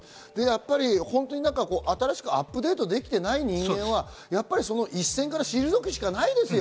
本当に新しくアップデートできてない人間は一線から退くしかないですよ。